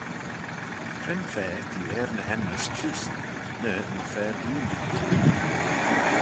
Cre'n fa t'eh er ny enmys Creest, ny yn fer-ooillit?